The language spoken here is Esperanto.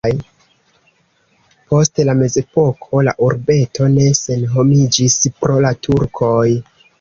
Post la mezepoko la urbeto ne senhomiĝis pro la turkoj.